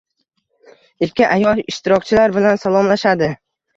ikki ayol ishtirokchilar bilan salomlashadi.